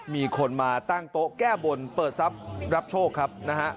มีคนมาตั้งโต๊ะแก้บนเปิดทรัพย์รับโชคครับนะฮะ